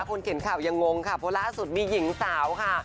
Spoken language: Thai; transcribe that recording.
คนเข็นข่าวยังงงค่ะเพราะล่าสุดมีหญิงสาวค่ะ